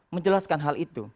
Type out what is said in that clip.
menjelaskan hal itu